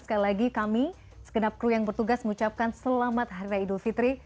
sekali lagi kami segenap kru yang bertugas mengucapkan selamat hari raya idul fitri